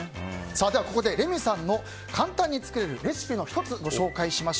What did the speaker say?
ここでレミさんの簡単に作れるレシピの１つをご紹介します。